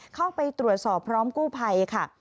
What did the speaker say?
เข้าไปตรวจสอบพร้อมกู้ภัยค่ะ